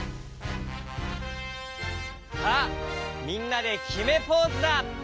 さあみんなできめポーズだ。